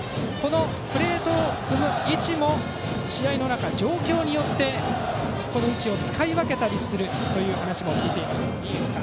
プレートを踏む位置も試合の中で状況によって、この位置を使い分けたりする話も聞いています、新岡。